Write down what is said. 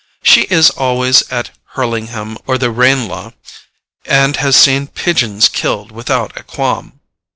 She is always at Hurlingham or the Ranelagh, and has seen pigeons killed without a qualm.